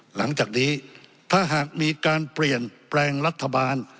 หลังจากนี้ถ้าหากมีการเปลี่ยนแปลงรัฐบาล